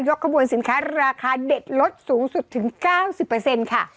กระบวนสินค้าราคาเด็ดลดสูงสุดถึง๙๐ค่ะ